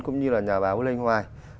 cũng như là nhà báo linh hoài